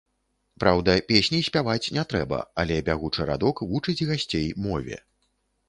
Праўда, песні спяваць не трэба, але бягучы радок вучыць гасцей мове.